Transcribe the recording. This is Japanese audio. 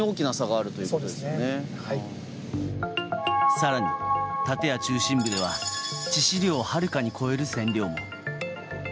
更に、建屋中心部では致死量をはるかに超える線量も。